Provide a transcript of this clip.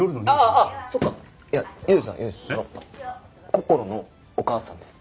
こころのお母さんです。